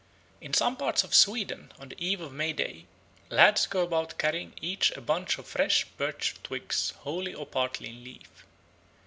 In some parts of Sweden on the eve of May Day lads go about carrying each a bunch of fresh birch twigs wholly or partly in leaf.